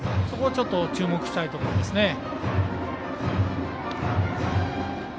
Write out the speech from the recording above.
そこは注目したいところですね。